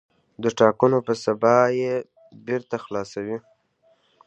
د ټاکنو په سبا یې بېرته خلاصوي.